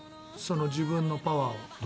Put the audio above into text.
自分のパワーを。